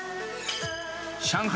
上海